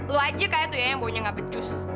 lu aja kayaknya tuh ya yang bau nya ga becus